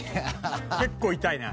結構痛いな。